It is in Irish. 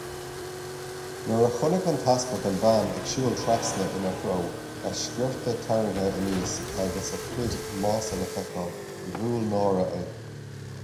Nuair a chonaic an tEaspag an bhean ag siúl trasna ina threo, a sciorta tarraingthe aníos agus a cuid mása le feiceáil, bhuail náire é.